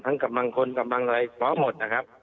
ทั้งกำลังคนกำลังอะไรพร้อมหมดนะครับ